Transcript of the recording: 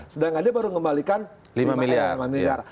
sedangkan dia baru mengembalikan lima miliar